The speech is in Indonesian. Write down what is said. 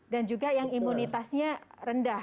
dan juga yang imunitasnya rendah